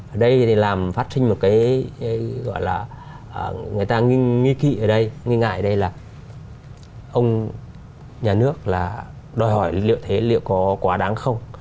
ở đây thì làm phát sinh một cái gọi là người ta nghi kỵ ở đây nghi ngại đây là ông nhà nước là đòi hỏi liệu thế liệu có quá đáng không